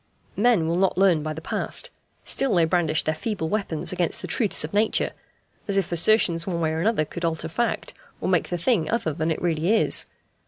Men will not learn by the past; still they brandish their feeble weapons against the truths of Nature, as if assertions one way or another could alter fact, or make the thing other than it really is.